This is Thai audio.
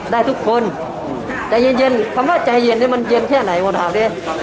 ได้ทุกคนใจเย็นเย็นคำว่าใจเย็นนี่มันเย็นแค่ไหนวันหาบนี้